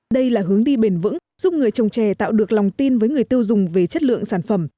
đây là hướng đi bền vững giúp người trồng trè tạo được lòng tin với người tiêu dùng về chất lượng sản phẩm